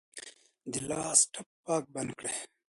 د لاس ټپ پاک بند کړئ.